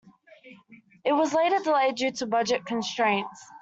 It was later delayed due to budget constraints.